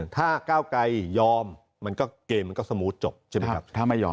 ถ้าก้าวไกรยอมมันก็เกมมันก็สมูทจบใช่ไหมครับ